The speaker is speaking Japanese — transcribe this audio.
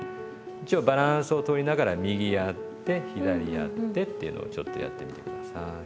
一応バランスを取りながら右やって左やってっていうのをちょっとやってみて下さい。